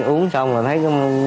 uống xong là thấy